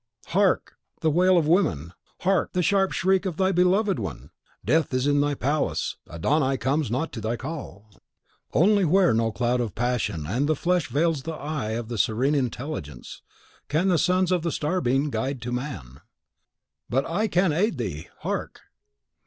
Hark, the wail of women! hark, the sharp shriek of thy beloved one! Death is in thy palace! Adon Ai comes not to thy call. Only where no cloud of the passion and the flesh veils the eye of the Serene Intelligence can the Sons of the Starbeam glide to man. But I can aid thee! hark!"